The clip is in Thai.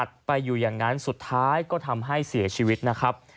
ไปอยู่อย่างนั้นสุดท้ายก็ทำให้เสียชีวิตนะครับ